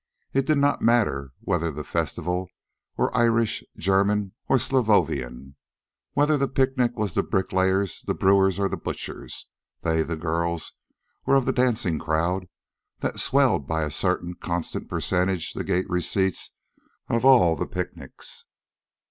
It did not matter whether the festival were Irish, German, or Slavonian; whether the picnic was the Bricklayers', the Brewers', or the Butchers'. They, the girls, were of the dancing crowd that swelled by a certain constant percentage the gate receipts of all the picnics.